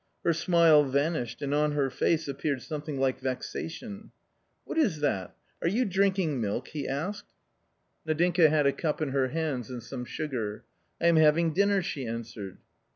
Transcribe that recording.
Her smile vanished, and on her face appeared something like vexation. " What is that, are you drinking milk ?" he asked. 86 A COMMON STORY Nadinka had a cup in her hands and some sugar. " I am having dinner/' she answered.